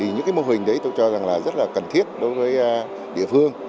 những mô hình đấy tôi cho rằng là rất là cần thiết đối với địa phương